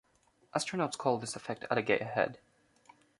Astronauts call this effect alligator head.